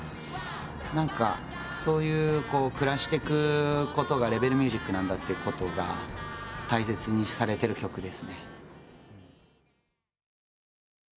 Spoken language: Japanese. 何かそういう暮らしてくことがレベルミュージックなんだってことが大切にされてる曲ですね。